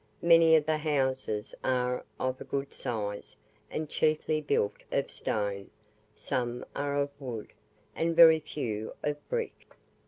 Many of the houses are of a good size, and chiefly built of stone, some are of wood, and very few of brick.